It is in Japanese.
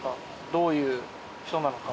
どういう人なのか。